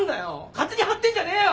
勝手にはってんじゃねえよ。